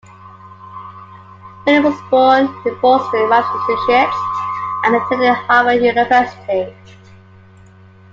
Williams was born in Boston, Massachusetts and attended Harvard University.